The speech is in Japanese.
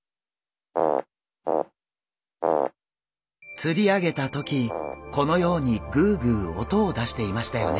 釣り上げた時このようにグゥグゥ音を出していましたよね。